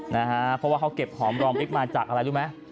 เพราะว่าเขาเก็บหอมรอมริบมาจากอะไรรู้ไหม